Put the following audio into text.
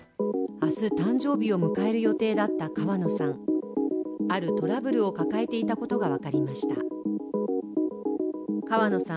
明日、誕生日を迎える予定だった川野さん。